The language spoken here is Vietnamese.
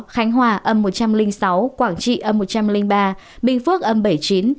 khánh hòa một trăm linh sáu quảng trị một trăm linh ba bình phước bảy mươi chín